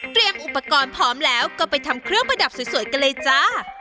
อุปกรณ์พร้อมแล้วก็ไปทำเครื่องประดับสวยกันเลยจ้า